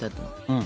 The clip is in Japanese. うん。